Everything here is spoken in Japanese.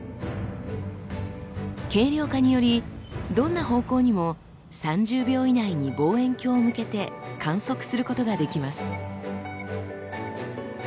軽量化によりどんな方向にも３０秒以内に望遠鏡を向けて観測することができます。